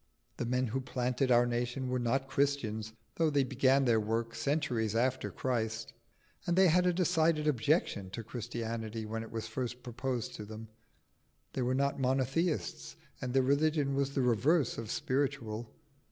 The men who planted our nation were not Christians, though they began their work centuries after Christ; and they had a decided objection to Christianity when it was first proposed to them: they were not monotheists, and their religion was the reverse of spiritual.